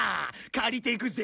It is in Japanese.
借りてくぜ。